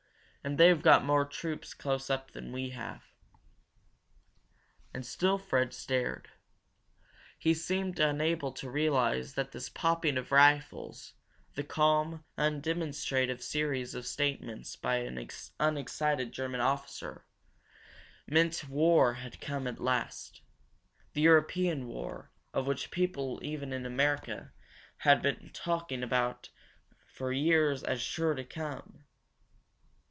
And they've got more troops close up than we have." And still Fred stared. He seemed unable to realize that this popping of rifles, this calm, undemonstrative series of statements by an unexcited German officer, meant that war had come at last the European war of which people even in America had talked for years as sure to come!